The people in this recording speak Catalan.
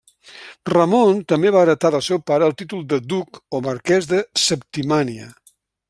Ramon també va heretar del seu pare el títol de duc o marquès de Septimània.